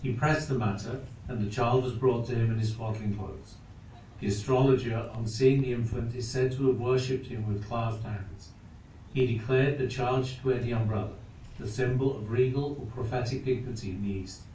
He pressed the matter, and the child was brought to him in his swaddling clothes. The astrologer on seeing the infant is said to have worshipped him with clasped hands. He declared the child should wear the umbrella, the symbol of regal or prophetic dignity in the East.